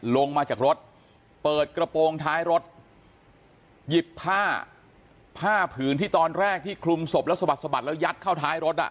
ลงมาจากรถเปิดกระโปรงท้ายรถหยิบผ้าผ้าผืนที่ตอนแรกที่คลุมศพแล้วสะบัดสะบัดแล้วยัดเข้าท้ายรถอ่ะ